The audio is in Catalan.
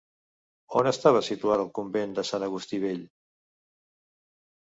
On estava situat el Convent de Sant Agustí Vell?